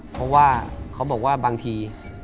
เพราะว่าเขาบอกว่าบางที